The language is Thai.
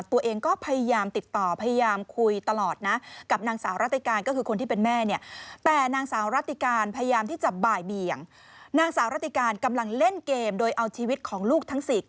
ตัวเองก็พยายามติดต่อพยายามคุยตลอดนะ